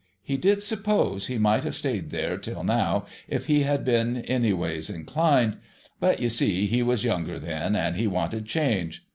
He did suppose he miglit have stayed there till now if he had been anyways inclined. But, you see, he was younger then, and he wanted change.